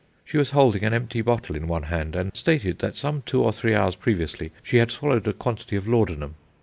She was holding an empty bottle in one hand, and stated that some two or three hours previously she had swallowed a quantity of laudanum.